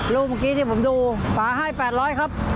เมื่อกี้ที่ผมดูป่าให้๘๐๐ครับ